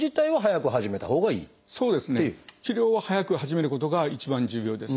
治療は早く始めることが一番重要です。